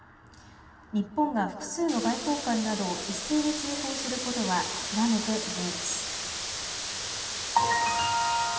日本が複数の外交官などを一斉に追放することは極めて異例です。